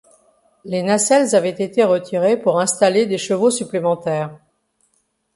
Les nacelles avaient été retirées pour installer des chevaux supplémentaires.